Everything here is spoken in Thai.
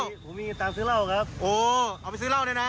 ผมมีเงินตามซื้อเหล้าครับโอ้เอาไปซื้อเหล้าเนี่ยนะ